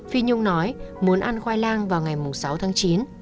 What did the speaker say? phi nhung nói muốn ăn khoai lang vào ngày sáu tháng chín